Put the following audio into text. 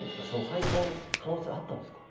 再婚の可能性あったんですか？